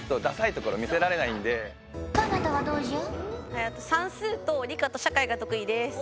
えっと算数と理科と社会が得意です。